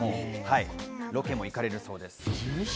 ロケも行かれるそうです。